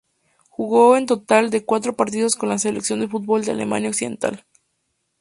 Jugó un total de cuatro partidos con la selección de fútbol de Alemania Occidental.